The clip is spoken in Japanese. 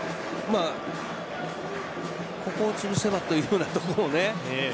ここをつぶせばというところ。